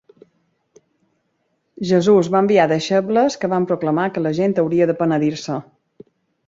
Jesús va enviar deixebles que van proclamar que la gent hauria de penedir-se.